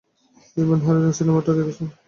Event horizon সিনেমাটা দেখেছেন?